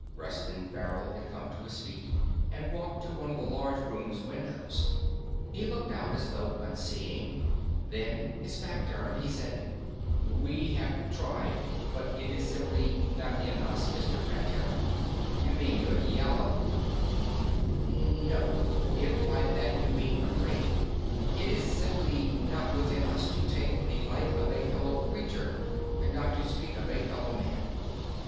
Reston Farrell had come to his feet and walked to one of the large room's windows. He looked out, as though unseeing. Then, his back turned, he said, "We have tried, but it is simply not in us, Mr. Prantera." "You mean you're yella?" "No, if by that you mean afraid. It is simply not within us to take the life of a fellow creature not to speak of a fellow man."